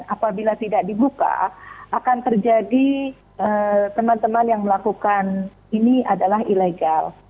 apabila tidak dibuka akan terjadi teman teman yang melakukan ini adalah ilegal